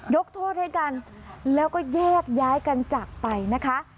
โทษให้กันแล้วก็แยกย้ายกันจากไปนะคะ